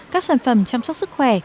các sản phẩm chăm sóc sức khỏe